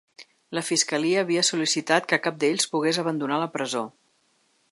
La fiscalia havia sol·licitat que cap d’ells pogués abandonar la presó.